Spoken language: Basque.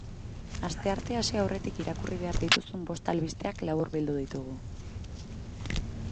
Asteartea hasi aurretik irakurri behar dituzun bost albisteak laburbildu ditugu.